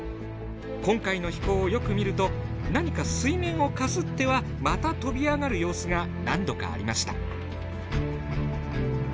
今回の飛行をよく見ると何か水面をかすってはまた飛び上がる様子が何度かありました。